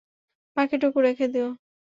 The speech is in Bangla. বাকিটুকু রেখে দিও।